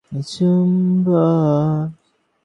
তিনি হরিবল্লভ দাস নামে পরিচিত ছিলেন।